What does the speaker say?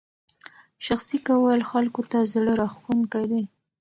شخصي کول خلکو ته زړه راښکونکی دی.